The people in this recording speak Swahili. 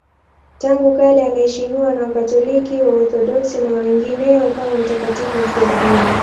Tangu kale anaheshimiwa na Wakatoliki, Waorthodoksi na wengineo kama mtakatifu mfiadini.